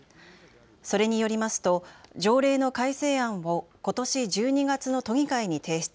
それによりますと条例の改正案をことし１２月の都議会に提出。